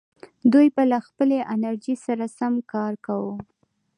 دوی به له خپلې انرژۍ سره سم کار کاوه.